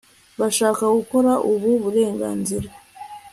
Bashaka gukora ubu burenganzira